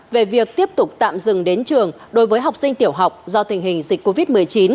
về việc tiếp tục tạm dừng đến trường đối với học sinh tiểu học do tình hình dịch covid một mươi chín